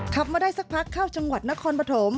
ขับมาได้สักพักเข้าจังหวัดนครปฐม